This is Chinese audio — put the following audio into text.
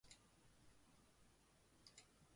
牢猫回来了